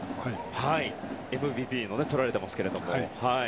ＭＶＰもとられていますけど。